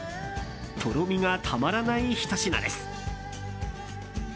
とろみがたまらないひと品です。